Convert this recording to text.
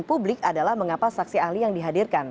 dan publik adalah mengapa saksi ahli yang dihadirkan